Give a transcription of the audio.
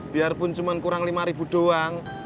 biarpun cuma kurang lima ribu doang